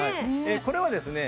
これはですね